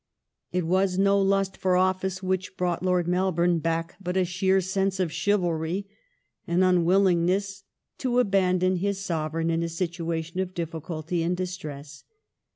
^ It was no lust for office which brought Lord Melbourne back but a sheer sense of chivalry — an unwillingness " to abandon his Sovereign in a situation of difficulty and distress".